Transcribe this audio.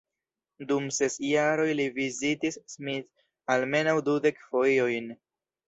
Dum ses jaroj li vizitis Smith almenaŭ dudek fojojn.